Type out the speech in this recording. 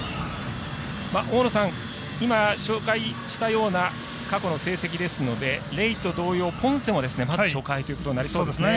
大野さん、今、紹介したような過去の成績ですのでレイと同様ポンセもまず初回ということになりそうですね。